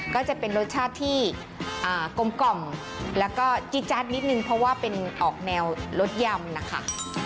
ก็จะเป็นรสชาติที่กลมแล้วก็จี๊จาดนิดนึงเพราะว่าเป็นออกแนวรสยำนะคะ